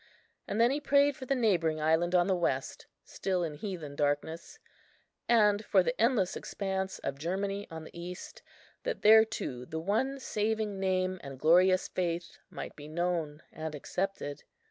And then he prayed for the neighbouring island on the west, still in heathen darkness, and for the endless expanse of Germany on the east, that there too the one saving name and glorious Faith might be known and accepted.